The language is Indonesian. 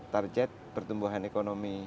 target pertumbuhan ekonomi